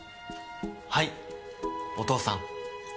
はいお父さん。